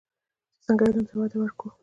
چې څنګه علم ته وده ورکړو.